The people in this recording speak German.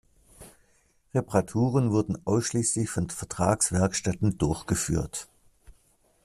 Reparaturen wurden ausschließlich von Vertragswerkstätten durchgeführt.